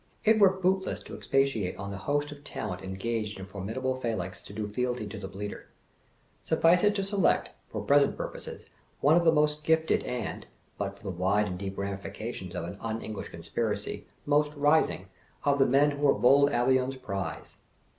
It were bootless to expatiate on the host of talent engaged in formidable phalanx to do fealty to the Bleater. Suffice it to select, for present purposes, one of the most gifted and (but for the wide and deep ramifications of an un English conspiracy) most rising, of the men who are bold Albion's pride.